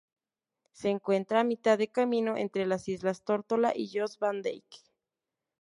Se encuentra a mitad de camino entre las islas Tórtola y Jost Van Dyke.